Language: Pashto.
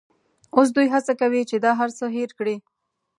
اوس دوی هڅه کوي چې دا هرڅه هېر کړي.